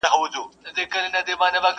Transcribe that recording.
خپله خوله هم کلا ده، هم بلا.